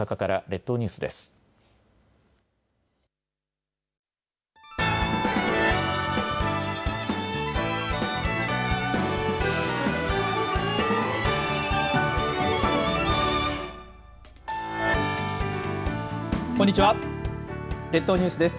列島ニュースです。